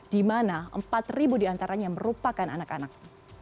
dimana empat diantaranya merupakan anak anak